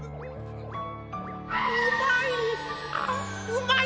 うまい！